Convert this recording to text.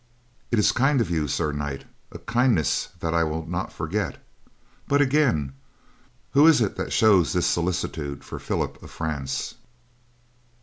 "It is kind of you, Sir Knight, a kindness that I will not forget. But, again, who is it that shows this solicitude for Philip of France?"